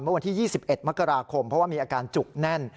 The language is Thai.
เมื่อวันที่๒๑มกราคมเพราะว่ามีอาการจุกแน่น